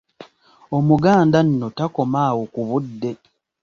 Omuganda nno takoma awo ku budde.